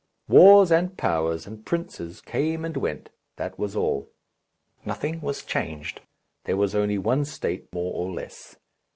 Wars and powers and princes came and went, that was all. Nothing was changed, there was only one state the more or less.